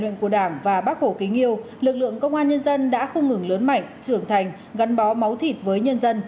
mạnh trưởng thành gắn bó máu thịt với nhân dân